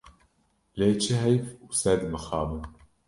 Lê çi heyf û sed mixabin!